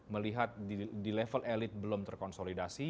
melihat di level elit belum terkonsolidasi